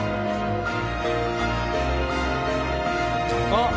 あっ！